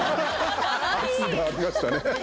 圧がありましたね。